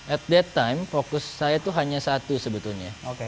at that time focus saya itu hanya satu sebetulnya